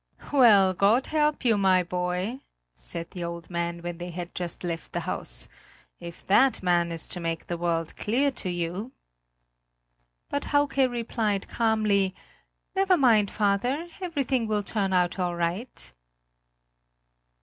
"Well, God help you, my boy," said the old man, when they had just left the house, "if that man is to make the world clear to you!" But Hauke replied calmly: "Never mind, father; everything will turn out all right."